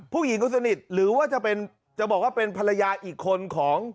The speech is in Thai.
ผู้หญิงคนสนิทหรือว่าจะเป็นจะบอกว่าเป็นภรรยาอีกคนของ